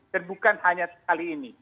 dan bukan hanya sekali ini